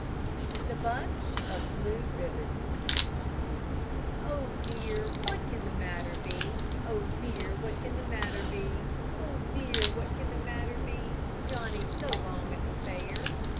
THE BUNCH OF BLUE RIBBONS Oh, dear, what can the matter be? Oh, dear, what can the matter be? Oh, dear, what can the matter be? Johnny's so long at the fair.